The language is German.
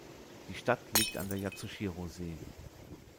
Die Stadt liegt an der Yatsushiro-See.